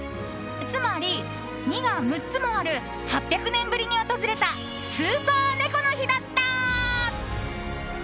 つまり、２が６つもある８００年ぶりに訪れたスーパー猫の日だった。